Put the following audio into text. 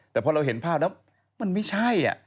แต่พอเราเห็นภาพแล้วมันไม่ใช่